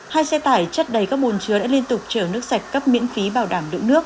hai xe tải chất đầy các bồn chứa đã liên tục chở nước sạch cấp miễn phí bảo đảm lượng nước